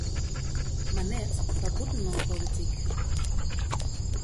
Mar net foar bûtenlânpolityk.